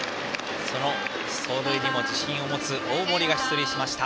走塁にも自信を持つ大森が出塁しました。